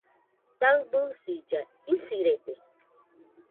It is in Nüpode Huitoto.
Taɨbisilla isirede